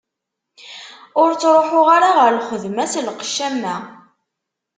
Ur ttruḥeɣ ara ɣer lxedma s lqecc am wa.